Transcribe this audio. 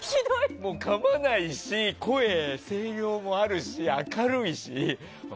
かまないし、声も声量もあるし明るいし。